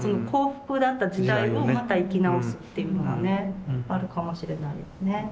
幸福だった時代をまた生きなおすっていうのがねあるかもしれないですね。